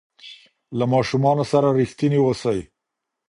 له ماشومانو سره رښتیني اوسئ.